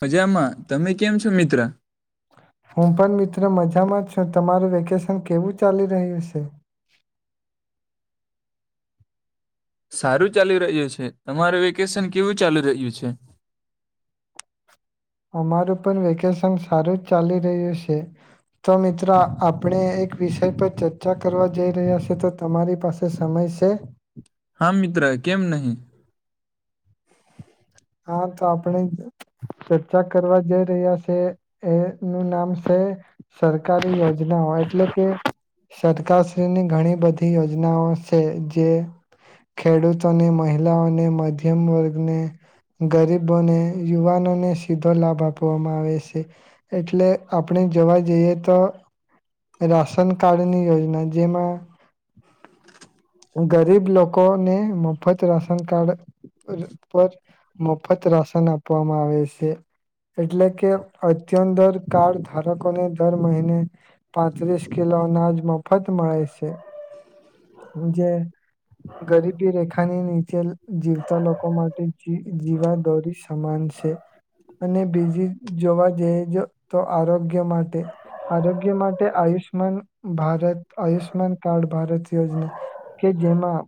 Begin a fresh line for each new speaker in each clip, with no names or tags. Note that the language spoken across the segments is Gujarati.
મજામાં. તમે કેમ છો મિત્ર?
હું પણ મિત્રો મજામાં છું. તમારું વેકેશન કેવું ચાલી રહ્યું છે?
સારું ચાાલી રહ્યું છે. તમારું વેકેશન કેવું ચાાલી રહ્યું છે?
અમારું પણ વેકેશન સારું જ ચાલી રહ્યું છે. તો મિત્રો આપણે એક વિષય પર ચર્ચા કરવા જઈ રહ્યા છે. તો તમારી પાસે સમય છે?
હા મિત્ર કેમ નહી.
હા તો આપણે ચર્ચા કરવા જઈ રહ્યા છે એનું નામ છે સરકારી યોજનાઓ એટલે કે સરકારશ્રીની ઘણી બધી યોજનાઓ છે. જે ખેડૂતોને મહિલાઓને મધ્યમ વર્ગને ગરીબોને યુવાનોને સીધો લાભ આપવામાં આવે છે. એટલે આપણે જોવા જઈએ તો રાશન કાર્ડની યોજના જેમાં ગરીબ લોકોને [unintelligible] રાશન કાર્ડ પર મફત રાશન આપવામાં આવે છે. એટલે કે અત્યંદર કાર્ડ ધારકોને દર મહિને છત્રીસ કિલો અનાજ મોફત મળે છે. જે ગરીબી રેખાની નીચે જીવતા લોકો માટે જીવાદોરી સમાન છે અને બીજી જોવા જઈ તો આરોગ્ય માટે આરોગ્ય માટે આયુષ્માન ભારત આયુષ્યમાન કાર્ડ ભારત યોજના કે જેમાં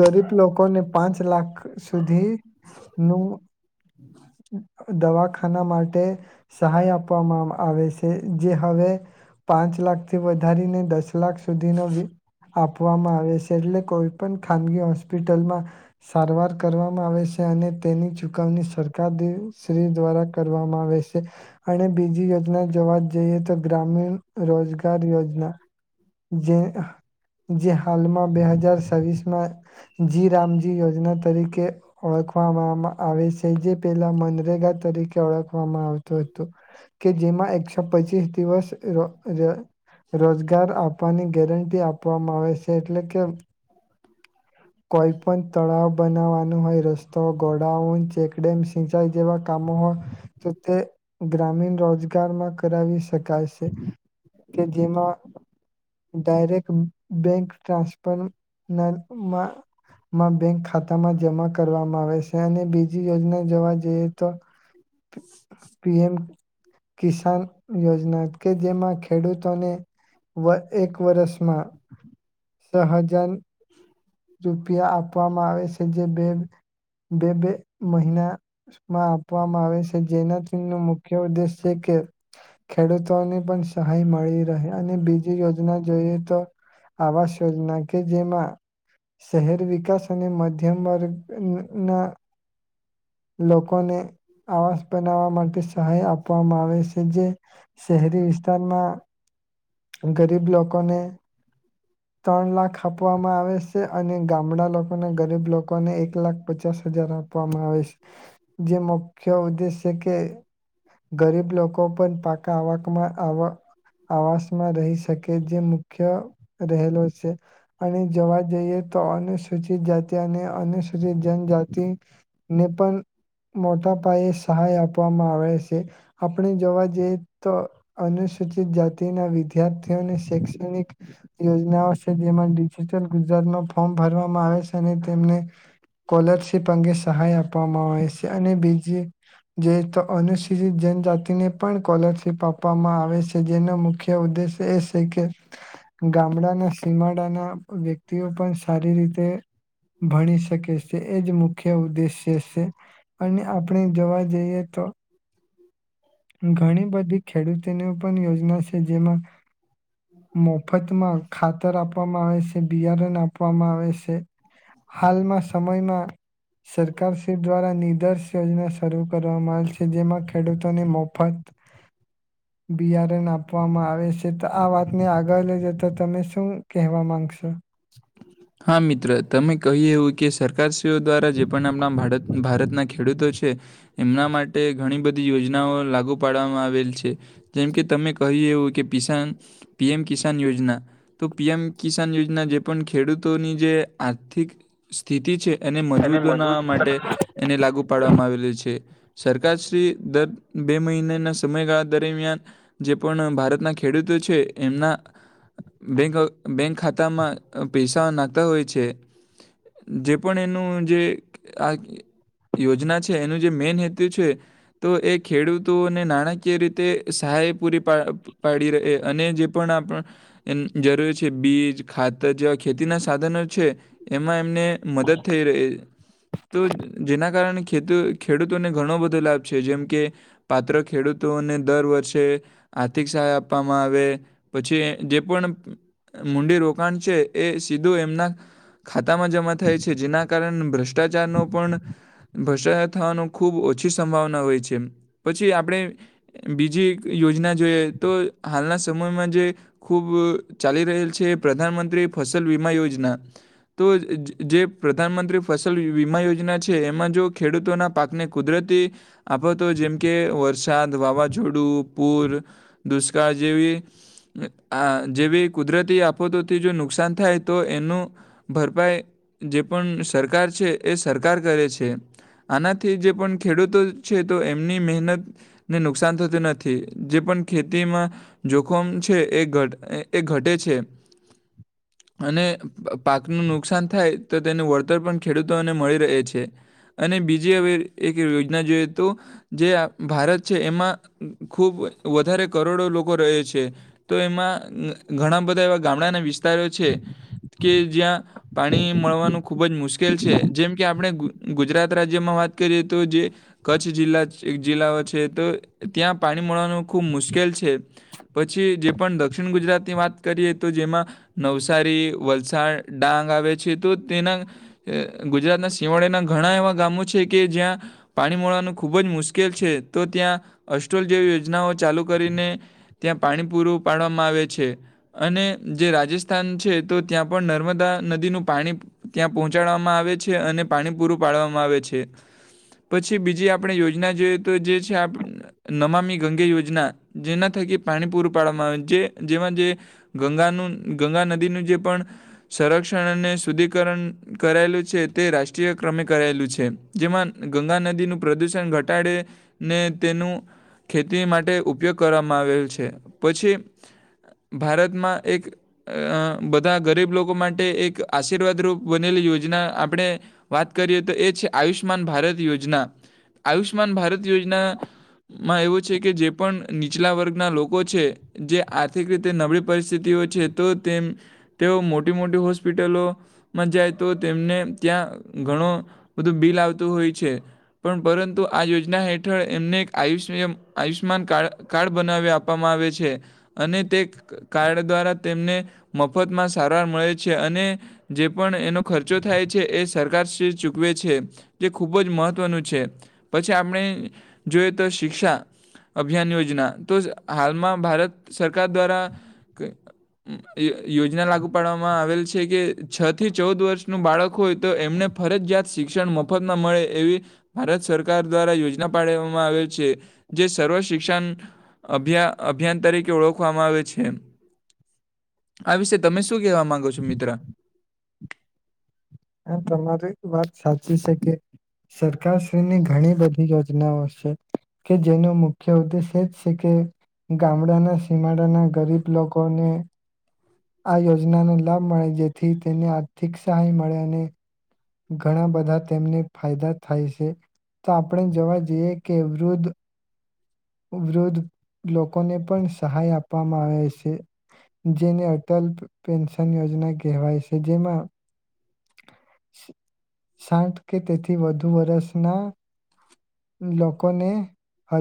ગરીબ લોકોને પાંચ લાખ સુધી નું [inaudible] દવાખાના માટે સહાય આપવામાં આવે છે. જે હવે પાંચ લાખથી વધારીને દસ લાખ સુધીનો આપવામાં આવે છે. એટલે કોઈ ખાનગી હોસ્પિટલમાં સારવાર કરવામાં આવે છે. અને તેની ચુકવણી સરકાર શ્રી દ્વારા કરવામાં આવે છે અને બીજી યોજના જોવાત જઈએ તો ગ્રામીણ રોજગાર યોજના જે જે હાલમાં બે હજાર છવીસમાં જી રામજી યોજના તરીકે કે ઓળખવામાં મા આવે છે. જે પેલા મનરેગા તરીકે ઓળખવામાં આવતું હતું. કે જેમાં એકસો પચીસ દિવસ ર ર રોજગાર આપવાની ગેરંટી આપવામાં આવે છે એટલે કે કોઈપણ તળાવ બનાવવાનો હોય, રસ્તો, ગોડાઉન ચેકડેમ જેવા કામો હોય તો તે ગ્રામીણ રોજગારમાં કરાવી શકાય છે. કે જેમાં ડાયરેક્ટ બેન્ક ટ્રાન્સફર માં મા મા બેંક ખાતામાં જમા કરવામાં આવે છે અને બીજી યોજના જોવા જઈએ તો પીએમ કિસાન યોજના કે જેમાં ખેડૂતોને વર એક વરષમાં છ હજાર રૂપિયા આપવામાં આવે છે જે બે બે બે મહિનામાં આપવામાં આવે છે જેનાથી એનું મુખ્ય ઉદ્દેશ છે કે ખેડૂતોની પણ સહાય મળી રહે અને બીજી યોજના જોઈએ તો આવાસ યોજના કે જેમાં શહેર વિકાસ અને મધ્યમ વર્ગ ન ના લોક લોકોને આવાસ બનાવવા માટે સહાય આપવામાં આવે છે જે શહેરી વિસ્તારમાં રીબ લોકોને ત્રણ લાખ આપવામાં આવે સે અને ગામડા લોક અને ગરીબ લોકોને એક લાખ પચાસ હજાર આપ પન હવે જે મુખ્ય ઉદ્દેશ છે કે ગરીબ લોકો પણ પાકા આવકમાં આવ આવાસમાં રહી શકે જે મુખ્ય રહેલો છે. અને જોવા જઈએ તો અનુસૂચિત જાતિ અને આ અનુસૂચિત જનજાતિ ને પન મોટા પાયે સહાય આપવામાં આવે સે. આપણે જોવા જઈએ તો અનુસૂચિત જાતિના વિદ્યાર્થીઓને શૈક્ષણિક યોજનાઓ છસે જેમાં ડિજિટલ ગુજરાતમાં ફોર્મ ભરવામાં આવે સે. અને તેમને કોલરશીપ અંગે સહાય આપ પવામાં આવે સે. અને બીજી જે તો અનુસૂચિત જનજાતિને પણ કોલરશીપ આપવામાં આવે સે. જેનો મુખ્ય ઉદ્દેશ્ય એ સે કે ગામડાના સીમાડાના વ્યક્તિઓ પણ સારી રીતે ભણી શકે સે એ જ મુખ્ય ઉદ્દેશ્ય દ્દેશ્ય અને આપણે જોવા જઈએ તો ઘણી બધી ખેડૂતોની પણ યોજના છે જેમાં મફતમાં ખાતર આપવામાં આવે સે. બિયારણ નાંપવામાં આવે સે. હાલમાં સમયમાં સરકાર શ્રી દ્વારા નિદર્શ યોજના શરૂ કરવામાં આવી છે. જેમાં ખેડૂત એને મફત બિયારણ આપવામાં આવે છે. તો આ વાતને આગળ લઈ જતા તમે શું કહેવા માંગશો?
હા, મિત્ર તમે કહી એવું કે સરકાર સ તેઓ દ્વારા જે પણ આમના ભાડત ભારત ના ખેડૂતો છે. એમના માટે ઘણી બધી યોજનાઓ લાગુ પાડવામાં આવેલ છે. જેમ કે, તમે કહ્યું એવું કે કિસાન પીએમ કિસાન યોજના, તો પીએમ કિસાન યોજના જે પણ ખેડૂત તોની જે આર્થિક સ્થિતિ છે એને મજબૂત બનાવવા માટે એને લાગુ પાડવામાં આવેલુ છે. સરકારશ્રી દર બે મહિનેના સમયગાળા દરમિયાન જે પણ ભારતના ખેડૂતો છે, એમના બેન્ક અ બેન્ક ખાતામાં અ પૈસ તા નાખતા હોય છે. જે પણ એનું જે આ એ યોજના છે એનું જે મેન હેતુ છે, તો એ ખેડૂતોને નાણાકીય રીતે સહાય પૂરી પાડ પાડી રહે અને જે પણ આપ અન જરૂરી છે. બીજ ખાતર જેવ ખેતીના સાધનો છે. એમાં એમને મદદ થઈ રહી તો જેના કારણે ખેતુ ખેડૂતોને ઘણો બધો લાભ છે. જેમ કે પાત્ર ખેડૂતોને દર વર્ષે આર્થિક સહાય આપવામાં આવે. પછી જે પણ મુંડી રોકાન છે એ સીદો એમના ખાતામાં જમા થાય છે. જેના કારન ભ્રષ્ટાચારનો પણ ભ્રષ્ટાચાર થવાનો ખૂબ ઓછી સંભાવના હોય છે. પછી આપણે બીજી યોજના જોઈએ તો હાલના સમયમાં જે ખૂબ ચાલી રહેલ છે. પ્રધાનમંત્રી ફસલ વીમા યોજના. તો અ જે પ્રધાનમંત્રી ફસલ વીમા યોજના છે, એમાં જો ખેડૂતોના પાકને કુદરતી આફતો જેમ કે વરસાદ, વાવાઝોડું, પૂર, દુષ્કાળ જેવી આ જેવી કુદરતી આફતોથી જો નુ નુકસાન થાય તો એનું ભરપાઈ જે પણ સરકાર છે એ સરકાર કરે છે. આનાથી જે પણ ખેડૂતો છે તો એમની મહેનતને નુકસાન થતું નથી. જે પણ ખેતીમાં જોખમ છે એ ઘટ એ ઘટે છે. અને અ પાકનું નુકસાન થાય તો તેનું વળતર પણ ખેડૂતોને મળી રહે છે. અને બીજી એવી એક એવી યોજના જોઈએ તો જે આ ભારત છે એમાં ખુબ વધારે કરોડો લોકો રહે છે, તો એમાં ઘણા બધા એવા ગામડાના વિસ સ્તારો છે કે જ્યાં પાણી મળવાનું ખૂબ જ મુશ્કેલ છે. જેમ કે આપણે ગુજ ગુજરાત રાજ્યમાં વાત કરીએ તો જે કચ્છ જિલ્લા જિલ્લાઓ છે, તો ત્યાં પાણી મળવાનું ખૂબ મુશ્કેલ છે. પછી જે પણ દ દક્ષિન ગુજરાતની વાત કરીએ તો જેમાં નવસારી વલસાડ ડાંગ આવે છે તો તેના ગુજરાતના શિવાળેના ઘણા એવાં ગામો છે કે જ્યાં પાણી મળવાનું ખૂબ જ મુશ્કેલ છે તો ત્યાં અસ્ટોલ જેવી યોજનાઓ ચાલુ કરીને ત્યાં પાણી પૂરું પાડવામાં આવે છે અને જે રાજસ્ તો ત્યાં પણ નર્મદા નદીનું પાણી ત્યાં પહોંચાડવામાં આવે છે અને પાણી પૂરું પાડવામાં આવે છે પછી બીજી આપણે યોજના જોઈએ તો જે છે નમામી ગંગે યોજના જેના થકી પાણી પૂરું પાડવામાં આવે જે જેમાં જે ગંગાનું ગંગા નદીનું જે પણ સંરક્ષણ અને શુદ્ધિકરણ કરાયેલું છે તે રાષ્ટ્રીય ક્રમે કરાયેલું છે જેમાં ગંગા નદીનું પ્રદૂષણ ઘટાડેને તેનું ખેતી માટે ઉપયોગ કરવામાં આવેલ છે પછી ભારતમાં એક અ બધા ગરીબ લોકો માટે એક આશીર્વાદરૂપ બનેલી યોજના આપણે વાત કરીએ તો એ છે આયુષ્યમાન ભારત યોજના આયુષ્યમાન ભારત યોજનામાં એવું છે કે જે પણ નીચલા વર્ગના લોકો છે જે આર્થિક રીતે નબળી પરિસ્થિતિઓ છે તો તેમ તેઓ મોટી મોટી હોસ્પિટલોમાં જાય તો તેમને ત્યાં ઘણું બધું બિલ આવતું હોય છે પણ પરંતુ આ યોજના હેઠળ એમને એક આયુષ આયુષ્યમાન કારડ કાર્ડ બનાવી આપવામાં આવે છે અને તે કાર્ડ દ્વારા તેમને મફતમાં સારવાર મળે છે અને જે પણ એનો ખર્ચો થાય છે એ સરકારશ્રી ચૂકવે છે જે ખૂબ જ મહત્ત્વનું છે પછી આપણે જોઈએ તો શિક્ષા અભિયાન યોજના તો હાલમાં ભારત સરકાર દ્વારા યો યોજના લાગુ પાડવામાં આવેલ છે કે છ થી ચૌદ વર્ષનું બાળક હોય તો એમને ફરજિયાત શિક્ષણ મફતમાં મળે એવી ભારત સરકાર દ્વારા યોજના પાડવામાં આવેલ છે જે સર્વ શિક્ષણ અભિયા અભિયાન તરીકે ઓળખવામાં આવે છે આ વિશે તમે શું કહેવા માંગો છો મિત્ર
આ તમારી વાત સાચી છે કે સરકારશ્રીની ઘણી બધી યોજનાઓ છે કે જેનો મુખ્ય ઉદ્દેશ એજ છે કે ગામડાના સીમાડાના ગરીબ લોકોને આ યોજનાનો લાભ મળે જેથી તેને આર્થિક સહાય મળે અને ઘણા બધા તેમને ફાયદા થાય છે તો આપણે જોવા જઈએ કે વૃદ્ધ વુદ્ધ લોકોને પણ સહાય આપવામાં આવે છે જેને અટલ પેન્શન યોજના કહેવાય છે જેમાં સાઠ કે તેથી વધુ વરષના લોકોને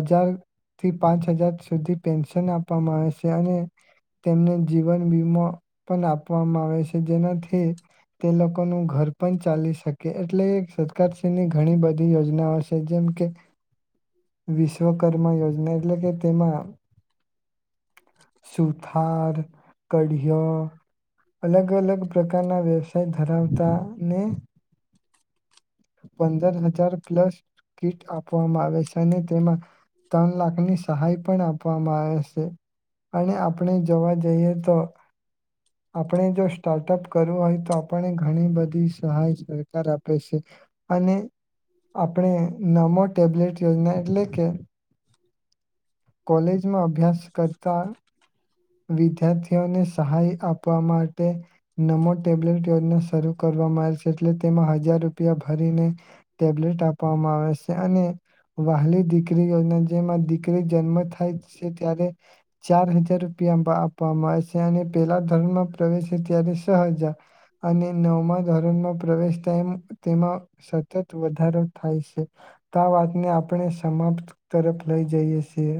હજાર થી પાંચ હજાર સુધી પેન્શન આપવામાં આવે છે અને તેમને જીવન વીમો પણ આપવામાં આવે છે જેનાથી તે લોકોનું ઘર પણ ચાલી શકે એટલે એ સરકારશ્રીની ઘણી બધી યોજનાઓ છે જેમ વિશ્વકર્મા યોજના એટલે કે તેમાં સુથાર કઢયો અલગ અલગ પ્રકારના વ્યવસાય ધરાવતા ને પંદર હજાર પ્લસ કીટ આપવામાં આવે છે અને તેમાં ત્રણ લાખની સહાય પણ આપવામાં આવે છે અને આપણે જોવા જઈએ તો આપણે જો સ્ટાર્ટઅપ કરવું હોય તો આપને ઘણી બધી સહાય સરકાર આપે છે અને આપણે નમો ટેબ્લેટ યોજના એટલે કે કોલેજમાં અભ્યાસ કરતા વિદ્યાર્થીઓને સહાય આપવા માટે નમો ટેબ્લેટ યોજના શરૂ કરવામાં આવે છે એટલે તેમાં હજાર રૂ રૂપિયા ભરીને ટેબ્લેટ આપવામાં આવે કે અને વહાલી દીકરી જેમાં દીકરી જન્મ થાય છે ત્યારે ચાર હજાર આપવામાં આવે છે અને પેલા ધોરણમાં પ્રવેેશ ત્યારે સહજા અને નવમાં ધોરણમાં પ્રવેશ તેમ તેમાં સતત વધારો થાય છે તો વાતને આપણે સમાપ્ત તરફ લઈ જઈએ છીએ